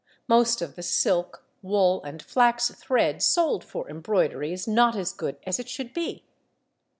Most of the silk, wool, and flax thread sold for embroidery is not as good as it should be.